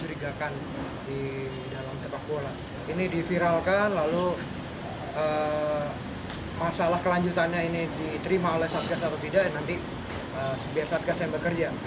ini diviralkan lalu masalah kelanjutannya ini diterima oleh satgas atau tidak nanti biar satgas yang bekerja